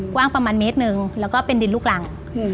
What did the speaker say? กว้างประมาณเมตรหนึ่งแล้วก็เป็นดินลูกรัง